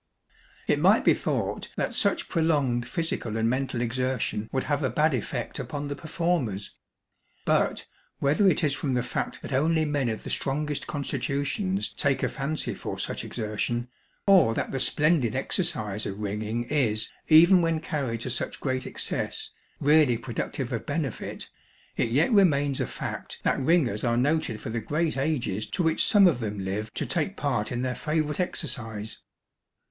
It might be thought that such prolonged physical and mental exertion would have a bad effect upon the performers; but, whether it is from the fact that only men of the strongest constitutions take a fancy for such exertion, or that the splendid exercise of ringing is, even when carried to such great excess, really productive of benefit, it yet remains a fact that ringers are noted for the great ages to which some of them live to take part in their favourite exercise.